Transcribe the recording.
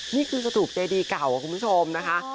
นี่คือสตูปเจดีเก่าคุณผู้ชมนะคะ